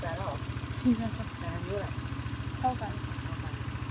สุดมากมั้ยค่ะห้าถูกว่าสุดมากกูว่าชีวิตสุดมาก